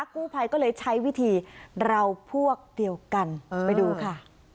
กู้ภัยก็เลยใช้วิธีเราพวกเดียวกันไปดูค่ะ